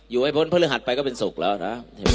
อยู่ไว้บนพฤหัสไปก็เป็นสุขแล้วนะ